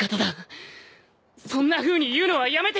そんなふうに言うのはやめてください！